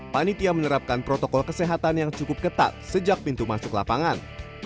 panitia menerapkan protokol kesehatan yang cukup ketat sejak pintu masuk lapangan